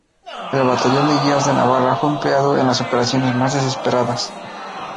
El batallón de Guías de Navarra fue empleado en las operaciones más desesperadas.